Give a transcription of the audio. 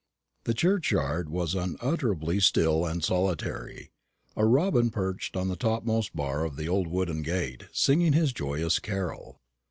The churchyard was unutterably still and solitary. A robin was perched on the topmost bar of the old wooden gate, singing his joyous carol.